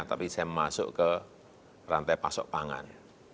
tapi saya masuk ke rantai pasok pangan